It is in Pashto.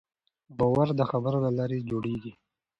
باور د خبرو له لارې جوړېږي.